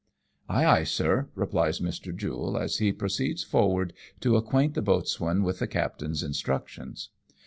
" Ay ! ay ! sir," replies Mr. Jule, as he proceeds forward to acquaint the boatswain with the captain's instructions.